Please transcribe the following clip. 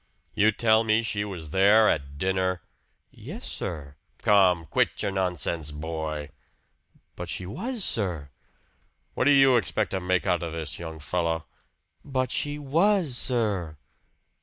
"You tell me she was there at dinner?" "Yes, sir!" "Come! Quit your nonsense, boy!" "But she was, sir!" "What do you expect to make out of this, young fellow?" "But she was, sir!"